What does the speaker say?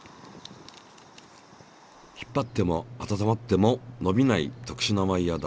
引っ張っても温まっても伸びない特殊なワイヤーだ。